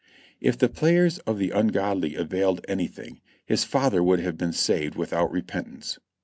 If the prayers of the ungodly availed anything, his father would have been saved without repentance.